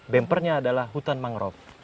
bampernya adalah hutan mangrove